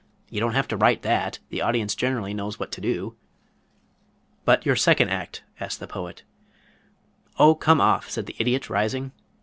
"You don't have to write that. The audience generally knows what to do." "But your second act?" asked the Poet. "Oh, come off," said the Idiot rising.